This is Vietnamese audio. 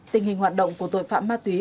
tình hình hoạt động của tội phạm ma túy